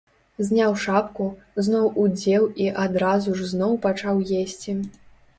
Зняў шапку, зноў уздзеў і адразу ж зноў пачаў есці.